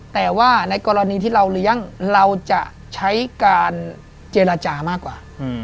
แต่ว่าในกรณีที่เราเลี้ยงเราจะใช้การเจรจามากกว่า